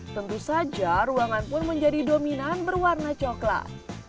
tentu saja ruangan pun menjadi dominan berwarna coklat